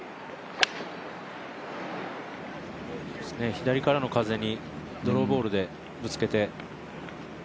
左からの風にドローボールでぶつけて。